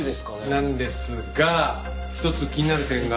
なんですが一つ気になる点が。